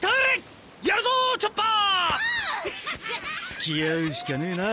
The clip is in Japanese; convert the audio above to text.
付き合うしかねえな。